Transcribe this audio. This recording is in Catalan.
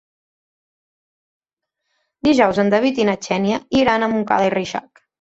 Dijous en David i na Xènia iran a Montcada i Reixac.